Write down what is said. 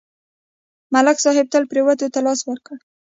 ملک صاحب تل پرېوتو ته لاس ورکړی.